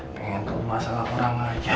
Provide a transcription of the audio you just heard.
pengen tuh masalah orang aja